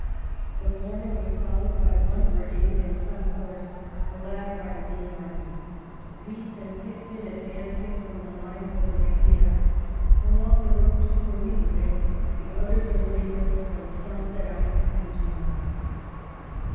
The former was followed by one brigade and some horse, the latter by the main army ; Leith and Picton advancing from the Lines by Leiria along the road to Coimbra, the others over the hills from Santarem and Thomar.